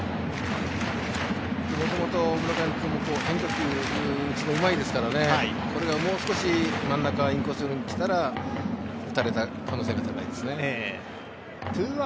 もともと村上君は変化球を打つのがうまいですから、これがもう少し真ん中、インコースに来たら打たれた可能性が高いですね。